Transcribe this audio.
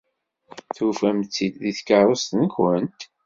Tufamt-tt-id deg tkeṛṛust-nwent?